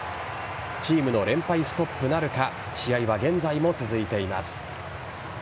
チームの連敗ストップなるか試合は現在も続いています。